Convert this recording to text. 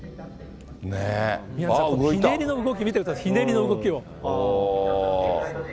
ひねりの動き見てください、ひねりの動きを。